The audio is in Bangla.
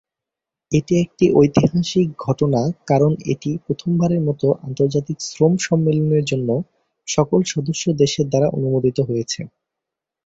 এটি একটি ঐতিহাসিক ঘটনা কারণ এটি প্রথমবারের মতো একটি আন্তর্জাতিক শ্রম সম্মেলনের জন্য সকল সদস্য দেশ দ্বারা অনুমোদিত হয়েছিল।